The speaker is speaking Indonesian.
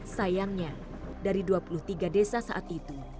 sayangnya dari dua puluh tiga desa saat itu